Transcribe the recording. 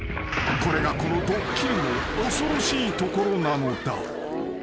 これがこのドッキリの恐ろしいところなのだ］